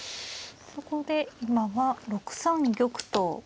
そこで今は６三玉と。